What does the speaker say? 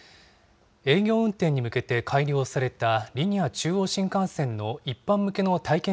営業運転に向けて改良されたリニア中央新幹線の一般向けの体験